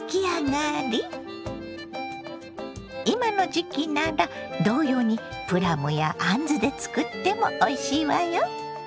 今の時期なら同様にプラムやあんずで作ってもおいしいわよ。